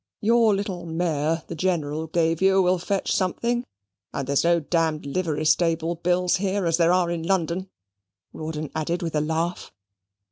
Your little mare the General gave you will fetch something, and there's no d d livery stable bills here as there are in London," Rawdon added, with a laugh.